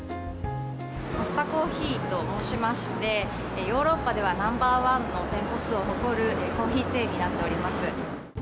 コスタコーヒーと申しまして、ヨーロッパではナンバー１の店舗数を誇るコーヒーチェーンになっております。